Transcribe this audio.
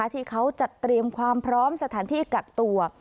ที่เขาจัดเตรียมความพร้อมสถานที่กักตัว